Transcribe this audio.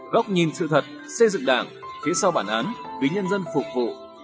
góc nhìn sự thật xây dựng đảng phía sau bản án vì nhân dân phục vụ